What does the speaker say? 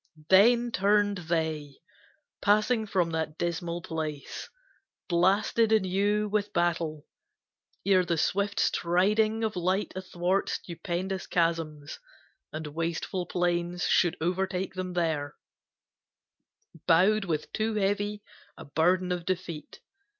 Then turned they, passing from that dismal place Blasted anew with battle, ere the swift Striding of light athwart stupendous chasms And wasteful plains, should overtake them there, Bowed with too heavy a burden of defeat.